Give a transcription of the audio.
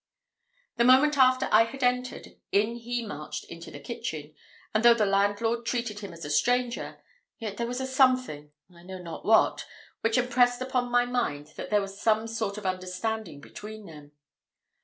The moment after I had entered, in he marched into the kitchen; and, though the landlord treated him as a stranger, yet there was a something I know not what which impressed upon my mind that there was some sort of understanding between them.